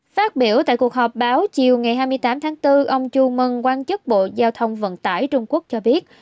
phát biểu tại cuộc họp báo chiều ngày hai mươi tám tháng bốn ông chu mừng quan chức bộ giao thông vận tải trung quốc cho biết